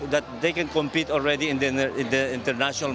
dan mereka sudah bisa bergantung di pasar internasional